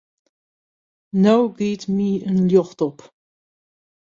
No giet my in ljocht op.